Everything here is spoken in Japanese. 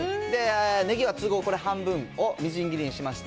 ネギは都合半分をみじん切りにしました。